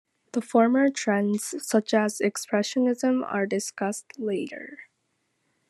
The former trends, such as Expressionism are discussed later.